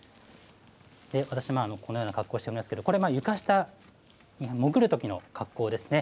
私、このような格好をしていますけれども、これ、床下に潜るときの格好ですね。